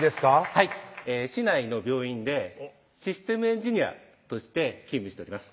はい市内の病院でシステムエンジニアとして勤務しております